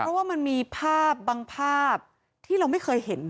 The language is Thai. เพราะว่ามันมีภาพบางภาพที่เราไม่เคยเห็น